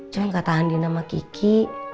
cuman katahan di nama kiki